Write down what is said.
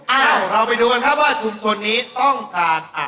เราไปดูกันครับว่าชุมชนนี้ต้องการ